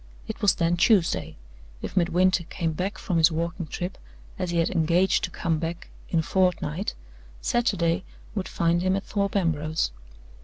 It was then Tuesday. If Midwinter came back from his walking trip, as he had engaged to come back, in a fortnight, Saturday would find him at Thorpe Ambrose.